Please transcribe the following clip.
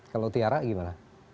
kalau tiara gimana